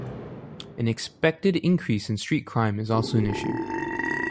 An expected increase in street crime is also an issue.